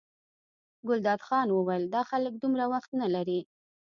ګلداد خان وویل دا خلک دومره وخت نه لري.